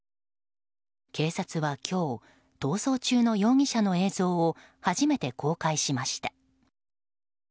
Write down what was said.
警察は今日逃走中の容疑者の映像を初めて公開しました。